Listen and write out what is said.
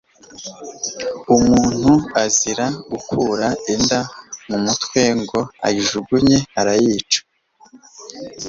Umuntu azira gukura inda mu mutwe ngo ayijugunye, arayica